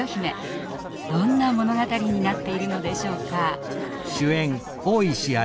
どんな物語になっているのでしょうか。